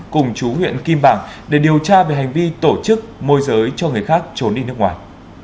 cùng chú huyện kim bảng để điều tra về hành vi tổ chức môi giới cho người khác trốn đi nước ngoài